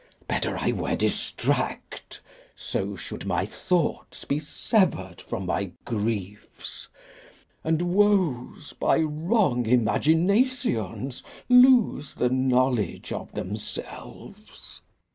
Better I were distract. So should my thoughts be sever'd from my griefs, And woes by wrong imaginations lose The knowledge of themselves.